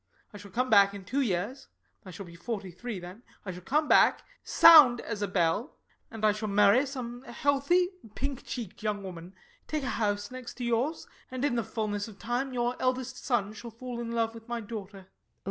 I shall come back in two years I shall be forty three then I shall come back, sound as a bell; and I shall marry some healthy, pink cheeked young woman, take a house next to yours, and in the fulness of time your eldest son shall fall in love with my daughter.